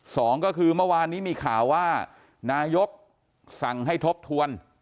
สองก็คือเมื่อวานนี้มีข่าวว่านายกสั่งให้ทบทวน